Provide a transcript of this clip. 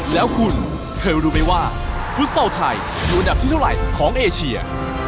แล้วคุณเคยรู้ไหมว่าฟุตซอลไทยอยู่อันดับที่เท่าไหร่ของเอเชีย